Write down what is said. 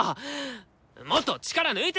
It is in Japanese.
もっと力抜いて！